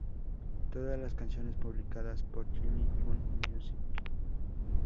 Todas las canciones publicadas por Jimmy Fun Music.